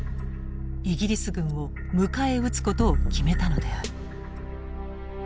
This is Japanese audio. イギリス軍を迎え撃つことを決めたのである。